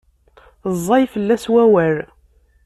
Ẓẓay fell-as wawal.